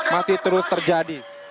masih terus terjadi